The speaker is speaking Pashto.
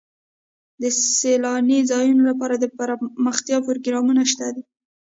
د سیلاني ځایونو لپاره دپرمختیا پروګرامونه شته دي.